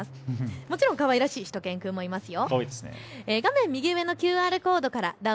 もちろんかわいらしいしゅと犬くんもいますよ。